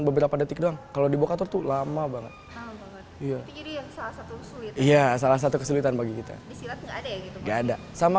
beberapa detik doang kalau di bokator tuh lama banget iya salah satu kesulitan bagi kita sama